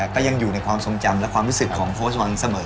ก็ยังอยู่ในความทรงจำและความรู้สึกของโค้ชวันเสมอ